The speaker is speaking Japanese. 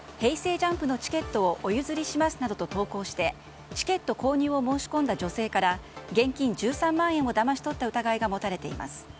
ＪＵＭＰのチケットをお譲りしますなどと投稿して、チケット購入を申し込んだ女性から現金１３万円をだまし取った疑いが持たれています。